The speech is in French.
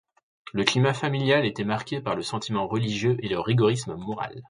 Le climat familial était marqué par le sentiment religieux et le rigorisme moral.